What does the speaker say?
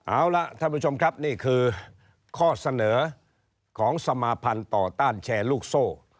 เอาล่ะท่านผู้ชมครับนี่คือข้อเสนอของสมาพันธ์ต่อต้านแชร์ลูกโซ่